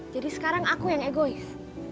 jadi sekarang aku yang egois